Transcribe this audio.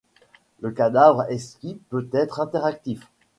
Le cadavre exquis peut être interactif.